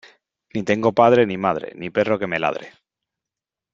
Ni tengo padre, ni madre, ni perro que me ladre.